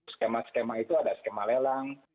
skema skema itu ada skema lelang